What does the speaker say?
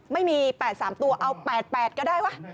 ไม่มี๘๓ตัวเอา๘๘ก็ได้วะ